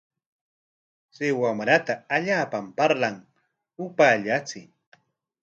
Chay wamrata allaapam parlan, upaallachiy.